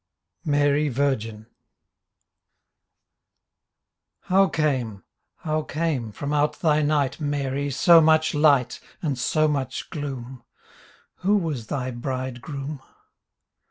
MARY VIRGIN How came, how came from out thy night Mary, so much light And so much gloom: Who was thy bridegroom?